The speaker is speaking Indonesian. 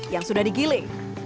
yang sudah digiling